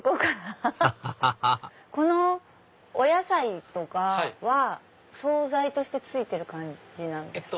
ハハハハこのお野菜とかは総菜として付いてる感じですか？